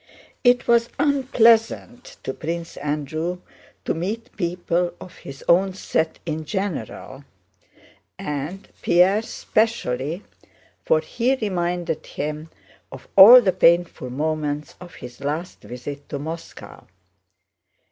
It was unpleasant to Prince Andrew to meet people of his own set in general, and Pierre especially, for he reminded him of all the painful moments of his last visit to Moscow.